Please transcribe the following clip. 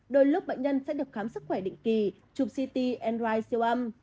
đôi lúc bệnh nhân sẽ được khám sức khỏe định kỳ chụp ct andrid siêu âm